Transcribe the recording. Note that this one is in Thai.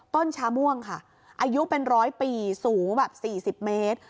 ชาม่วงค่ะอายุเป็น๑๐๐ปีสูงแบบ๔๐เมตร